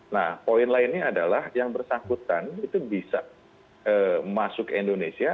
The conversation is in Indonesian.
nah poin lainnya adalah yang bersangkutan itu bisa masuk ke indonesia